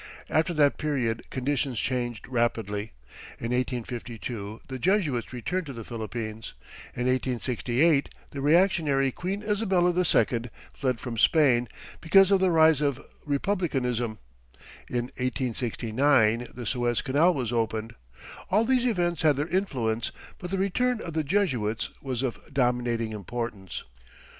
After that period conditions changed rapidly. In 1852, the Jesuits returned to the Philippines; in 1868, the reactionary Queen Isabella II fled from Spain, because of the rise of republicanism; in 1869, the Suez Canal was opened. All these events had their influence, but the return of the Jesuits was of dominating importance.